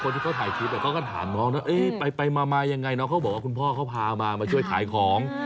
คนที่เขาถ่ายคลิปเนี่ยก็ถามน้องนะเอ๊ยไปมายังไงนะเค้าบอกว่าคุณพ่อเค้าพามามาช่วยขายของ